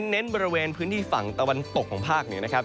เน้นบริเวณพื้นที่ฝั่งตะวันตกของภาคเหนือนะครับ